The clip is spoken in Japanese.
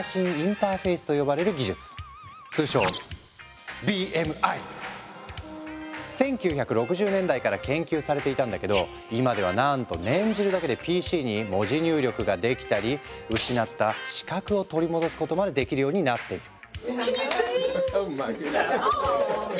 通称１９６０年代から研究されていたんだけど今ではなんと念じるだけでＰＣに文字入力ができたり失った視覚を取り戻すことまでできるようになっている。